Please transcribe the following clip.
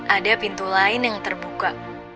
ada pintu lain yang terbuka